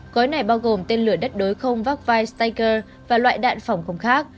gói này bao gồm tên lửa đất đối không vak vai stiger và loại đạn phỏng không khác